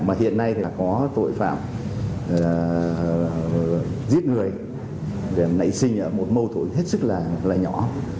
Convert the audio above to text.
mà hiện nay thì có tội phạm giết người nảy sinh ở một mâu thủy hết sức là nhỏ